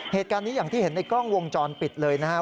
เหตุการณ์นี้อย่างที่เห็นในกล้องวงจรปิดเลยนะครับ